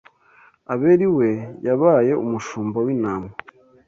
Abeli we, yabaye umushumba w’intama